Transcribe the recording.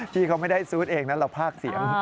ที่เขาไม่ได้ซูดเองนะเราภาคเสียง